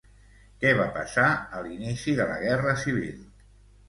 Què va passar a l'inici de la guerra civil?